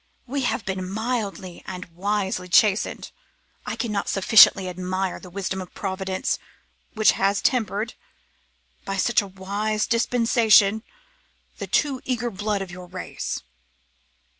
We have been mildly and wisely chastened. I cannot sufficiently admire the wisdom of Providence, which has tempered, by such a wise dispensation, the too eager blood of your race.